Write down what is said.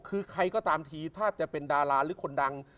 คือใครก็ตามทีถ้าจะเป็นดาราหรือคนดัง